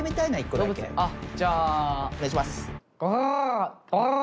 あっじゃあ。